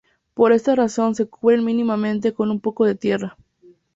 Por esta razón se cubren mínimamente con un poco de tierra.